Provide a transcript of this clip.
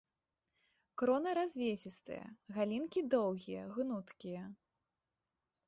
Крона развесістая, галінкі доўгія, гнуткія.